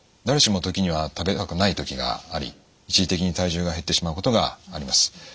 誰しも時には食べたくない時があり一時的に体重が減ってしまうことがあります。